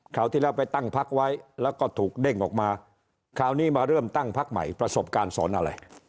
ที่แล้วไปตั้งพักไว้แล้วก็ถูกเด้งออกมาคราวนี้มาเริ่มตั้งพักใหม่ประสบการณ์สอนอะไร